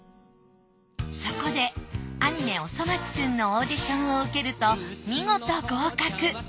そこでアニメ『おそ松くん』のオーディションを受けると見事合格。